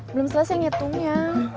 belum selesai ngitungnya